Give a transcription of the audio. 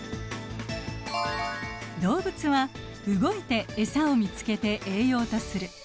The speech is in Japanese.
動物は動いてエサを見つけて栄養とする。